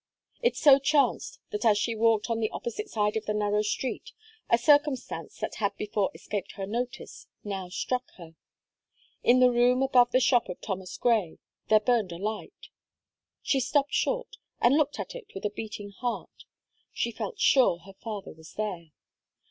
It so chanced, that as she walked on the opposite side of the narrow street, a circumstance that had before escaped her notice, now struck her. In the room above the shop of Thomas Gray, there burned a light. She stopped short, and looked at it with a beating heart. She felt sure her father was there.